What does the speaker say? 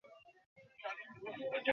কখনও কখনও সত্য গল্প, অসম্পূর্ণই থেকে যায়।